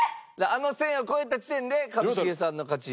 あの線を越えた時点で一茂さんの勝ち。